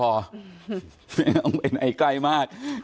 ไม่ต้องไปในใกล้มาก